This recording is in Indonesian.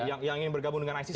yang ingin bergabung dengan isis